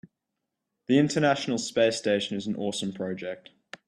The international space station is an awesome project.